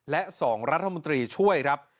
และ๒รัฐมนตรีช่วยครับ